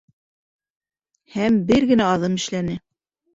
Һәм бер генә аҙым эшләне.